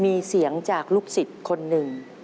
มีเสียงจากลูกศิษย์คนหนึ่ง